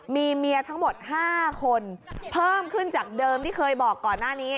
มีเมียทั้งหมด๕คนเพิ่มขึ้นจากเดิมที่เคยบอกก่อนหน้านี้